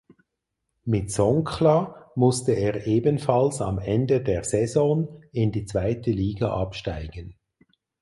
Mit Songkhla musste er ebenfalls am Ende der Saison in die zweite Liga absteigen.